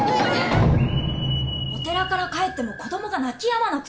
お寺から帰っても子供が泣きやまなくて。